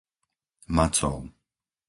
Macov